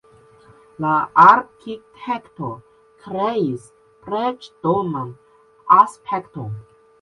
La arkitekto kreis preĝdoman aspekton.